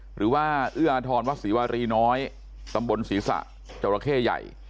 หรือว่าเอื้ออาทรวัดศรีวารีน้อยตำบลศรีษะจราเข้ใหญ่